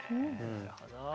なるほど。